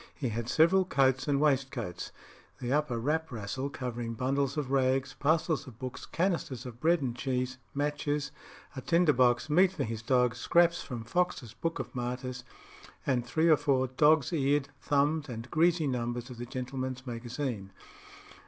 He had several coats and waistcoats the upper wrap rascle covering bundles of rags, parcels of books, canisters of bread and cheese, matches, a tinder box, meat for his dog, scraps from Fox's Book of Martyrs, and three or four dog's eared, thumbed, and greasy numbers of the Gentleman's Magazine.